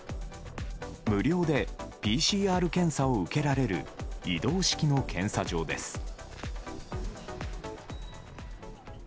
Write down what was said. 無料でＰＣＲ検査を受けられる移動式の検査場です。